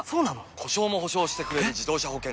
故障も補償してくれる自動車保険といえば？